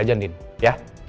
sama randy aja din